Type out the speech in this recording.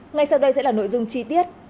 ngay sau đây sẽ là nội dung chi tiết